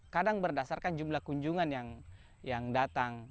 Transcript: kadang berdasarkan jumlah kunjungan yang datang